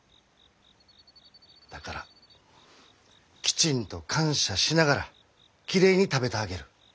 だからきちんと感謝しながらきれいに食べてあげる。